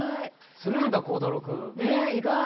するんだ、孝太郎君。